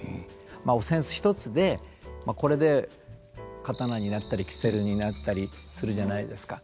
まあお扇子一つでこれで刀になったりキセルになったりするじゃないですか。